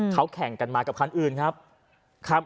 เขาแข่งกันมากับคันอื่นครับ